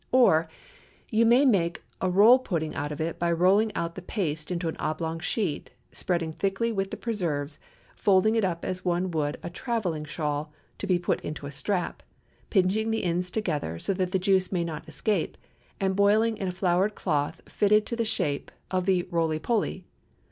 Or, You may make a roll pudding of it by rolling out the paste into an oblong sheet, spreading thickly with the preserves, folding it up as one would a travelling shawl to be put into a strap, pinching the ends together that the juice may not escape, and boiling in a floured cloth fitted to the shape of the "roley poley."